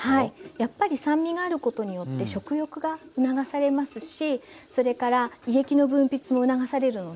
やっぱり酸味があることによって食欲が促されますしそれから胃液の分泌も促されるので消化もとても良くなります。